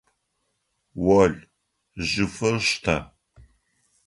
Ол, жьыфыр штэ!